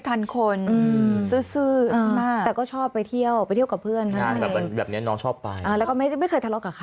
ทำคุณแม่ทุกคนครับ